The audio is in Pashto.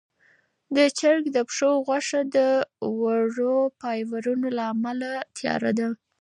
چرګ د پښو غوښه د ورو فایبرونو له امله تیاره ده.